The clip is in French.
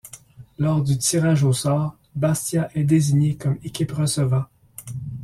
Lors du tirage au sort, Bastia est désigné comme équipe recevant.